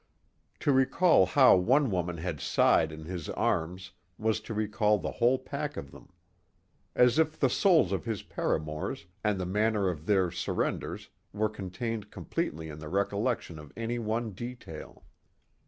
To recall how one woman had sighed in his arms was to recall the whole pack of them. As if the souls of his paramours and the manner of their surrenders were contained completely in the recollection of any one detail.